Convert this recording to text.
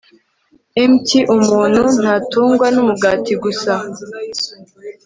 Mt umuntu ntatungwa n umugati gusa